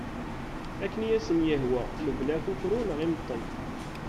Akken i asen-yehwa mebla akukru neɣ imeṭi.